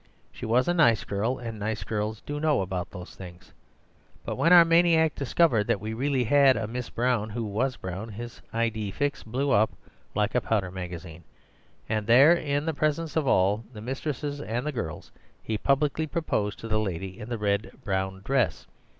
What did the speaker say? She was a nice girl, and nice girls do know about those things. But when our maniac discovered that we really had a Miss Brown who WAS brown, his idée fixe blew up like a powder magazine, and there, in the presence of all the mistresses and girls, he publicly proposed to the lady in the red brown dress.